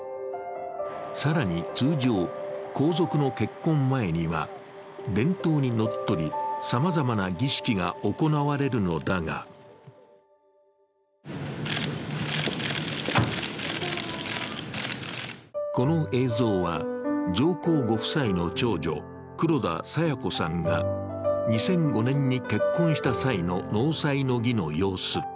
更に、通常、皇族の結婚前には伝統にのっとりさまざまな儀式が行われるのだがこの映像は上皇ご夫妻の長女・黒田清子さんが２００５年に結婚した際の納采の儀の様子。